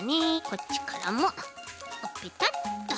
こっちからもペタッと。